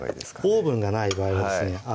オーブンがない場合はですね